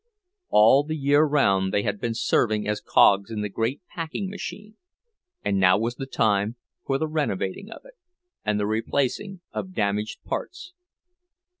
All the year round they had been serving as cogs in the great packing machine; and now was the time for the renovating of it, and the replacing of damaged parts.